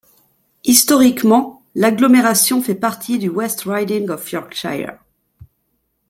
Historiquement, l'agglomération fait partie du West Riding of Yorkshire.